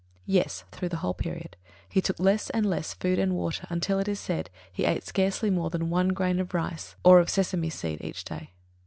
Yes, through the whole period. He took less and less food and water until, it is said, he ate scarcely more than one grain of rice or of sesamum seed each day.